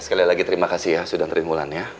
ya sekali lagi terima kasih ya sudah anterin bulan ya